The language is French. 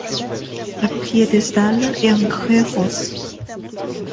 Le piédestal est en grès rose.